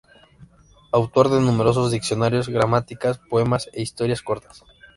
Autor de numerosos diccionarios, gramáticas, poemas e historias cortas.